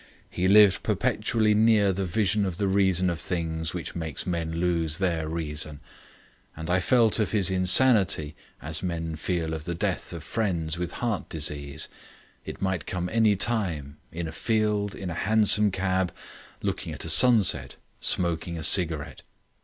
He lived perpetually near the vision of the reason of things which makes men lose their reason. And I felt of his insanity as men feel of the death of friends with heart disease. It might come anywhere, in a field, in a hansom cab, looking at a sunset, smoking a cigarette.